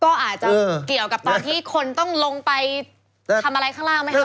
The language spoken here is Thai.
ก็อาจจะเกี่ยวกับตอนที่คนต้องลงไปทำอะไรข้างล่างไหมคะ